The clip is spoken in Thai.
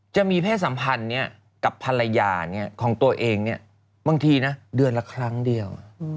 เพศสัมพันธ์กับภรรยาของตัวเองบางทีนะเดือนละครั้งเดียว